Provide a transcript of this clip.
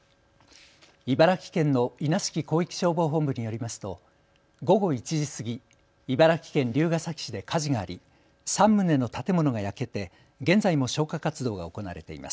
茨城県の稲敷広域消防本部によりますと午後１時過ぎ、茨城県龍ケ崎市で火事があり、３棟の建物が焼けて現在も消火活動が行われています。